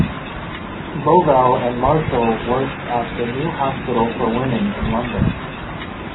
Bovell and Marshall worked at the New Hospital for Women in London.